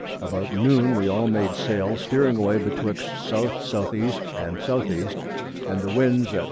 About Noon we all made Sail, steering away betwixt the S.S.E. and S.E. and the Wind at S.